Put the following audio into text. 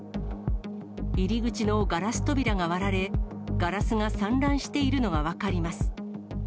入り口のガラス扉が割られ、ガラスが散乱しているのが分かります。